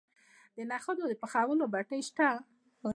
د نخودو د پخولو بټۍ شته.